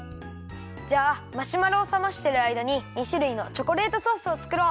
じゃあマシュマロをさましてるあいだに２しゅるいのチョコレートソースをつくろう。